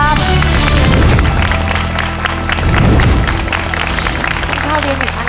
ขอเชิญน้องต้นข้าวมาต่อชีวิตเป็นคนต่อไปครับ